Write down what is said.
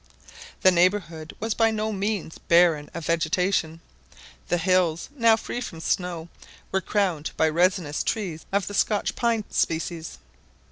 The neighbourhood was by no means barren of vegetation; the hills, now free from snow, were crowned by resinous trees of the Scotch pine species.